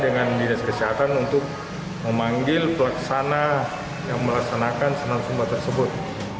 dengan dinas kesehatan untuk memanggil pelaksana yang melaksanakan senam sumba tersebut